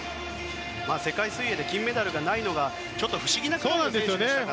世界水泳で金メダルがないのがちょっと不思議な選手ですから。